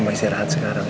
mama istirahat sekarang ya